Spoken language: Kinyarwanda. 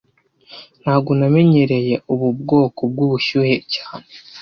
Ntago namenyereye ubu bwoko bwubushyuhe cyane